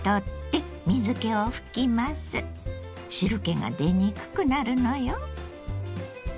汁けが出にくくなるのよ。